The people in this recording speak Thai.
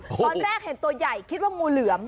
ตอนแรกเห็นตัวใหญ่คิดว่างูเหลือม